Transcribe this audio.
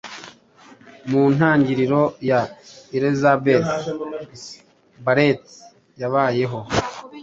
mu ntangiriro ya Elizabeth Barrett yabayeho